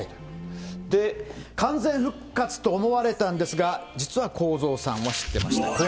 完全復活と思われたんですが、実は公造さんは知ってました。